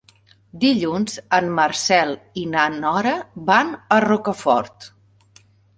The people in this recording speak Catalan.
Dilluns en Marcel i na Nora van a Rocafort.